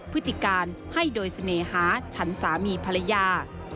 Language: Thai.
พฤติการให้โดยเสน่หาฉันสามีภรรยา